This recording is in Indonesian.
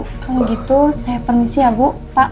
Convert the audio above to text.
kalau begitu saya permisi ya bu